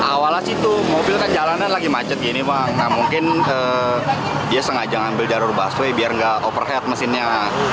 awalnya mobil jalanan lagi macet mungkin dia sengaja ambil jalur busway biar tidak overheat mesinnya